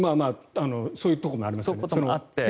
そういうところもありますよね。